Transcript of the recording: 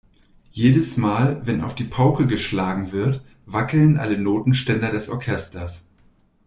Jedes Mal, wenn auf die Pauke geschlagen wird, wackeln alle Notenständer des Orchesters.